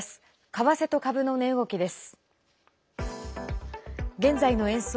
為替と株の値動きです。